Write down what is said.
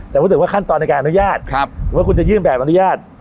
แต่พูดถึงว่าขั้นตอนในการอนุญาตว่าคุณจะยื่นแบบอนุญาต